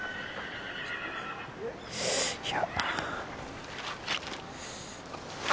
いや。